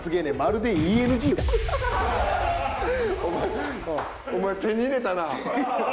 お前お前手に入れたな。